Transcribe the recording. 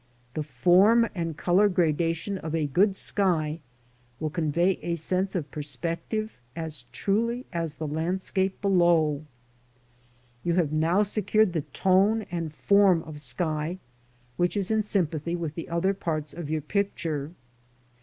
The form and colour gradation of a good sky will convey a sense of per spective as truly as the landscape below. You have now secured the tone and form of sky which is in sympathy with the other parts of your picture.